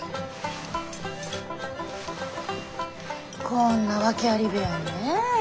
こんな訳あり部屋にねえ。